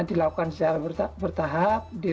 dilakukan secara bertahap